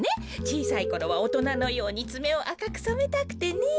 ちいさいころはおとなのようにつめをあかくそめたくてね。